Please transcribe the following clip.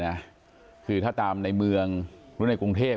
นะคือถ้าตามในเมืองหรือในกรุงเทพ